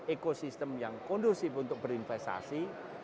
ekosistem yang kondusif untuk berinvestasi